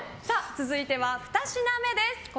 続いては２品目です。